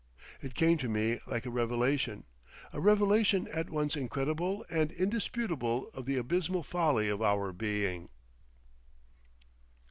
It came to me like a revelation, a revelation at once incredible and indisputable of the abysmal folly of our being.